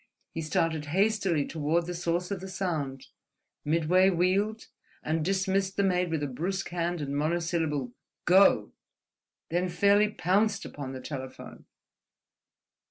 He started hastily toward the source of the sound, midway wheeled, and dismissed the maid with a brusque hand and monosyllable—"Go!"—then fairly pounced upon the telephone.